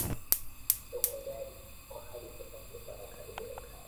so kwa hadi sasa tumepanda karibu ekari